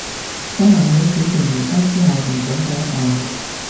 身為喺主權移交之後成長嘅一代